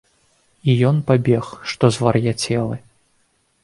І ён пабег, што звар'яцелы.